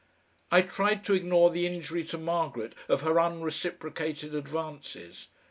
I tried to ignore the injury to Margaret of her unreciprocated advances.